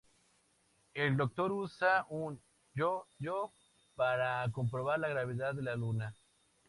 El Doctor usa un yo-yo para comprobar la gravedad de la Luna.